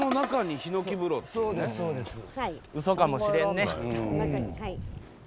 うそかもしれんね。